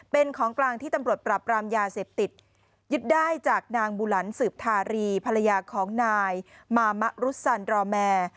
เป็นของกลางที่ตำรวจปรับรามยาเสพติดยึดได้จากนางบุหลันสืบทารีภรรยาของนายมามะรุสันรอแมร์